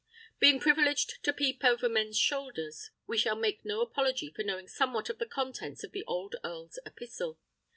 Being privileged to peep over men's shoulders, we shall make no apology for knowing somewhat of the contents of the old earl's epistle.